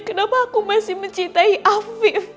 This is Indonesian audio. kenapa aku masih mencintai api